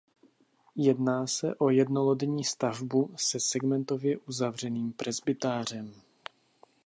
Jedná se o jednolodní stavbu se segmentově uzavřeným presbytářem.